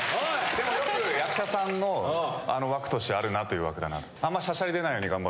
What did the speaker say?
でもよく役者さんの枠としてあるなという枠だなと。